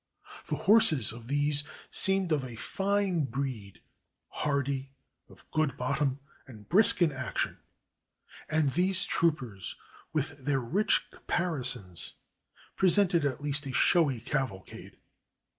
The horses of these seemed of a fine breed, hardy, of good bottom, and brisk in action; and these troopers, with their rich caparisons, presented at least a showy caval cade.